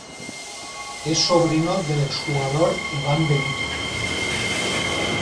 Es sobrino del ex jugador Iván Benito.